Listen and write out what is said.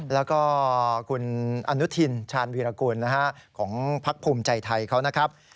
แล้วก็คุณอนุทินชาญวีรกุลของพักภูมิใจไทยเขานะครับ